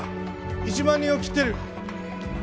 １万人を切ってる。